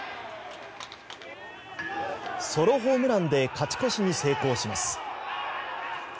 ソロホームランで勝ち越しに成功します。